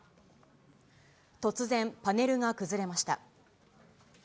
突然、パネルが崩れました。